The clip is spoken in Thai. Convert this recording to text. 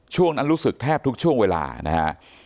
ช่วงนั้นรู้สึกแทบทุกช่วงเวลานะฮะ